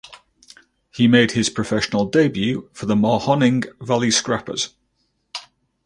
He made his professional debut for the Mahoning Valley Scrappers.